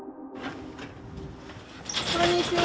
こんにちは。